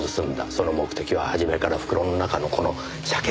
その目的は初めから袋の中のこの車券だったんです。